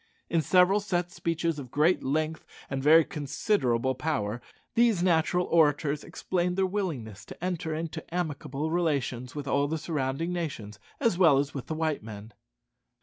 In several set speeches of great length and very considerable power, these natural orators explained their willingness to enter into amicable relations with all the surrounding nations, as well as with the white men.